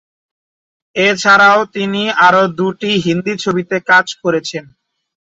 এছাড়া তিনি আরও দুটি হিন্দি ছবিতে কাজ করছেন।